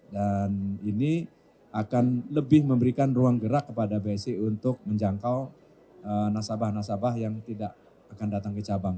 dan ini akan lebih memberikan ruang gerak kepada bsi untuk menjangkau nasabah nasabah yang tidak akan datang ke cabang